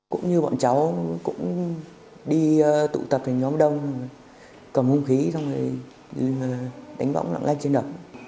cũng như bọn cháu cũng đi tụ tập thành nhóm đông cầm hung khí xong rồi đánh võng lặng lanh trên đường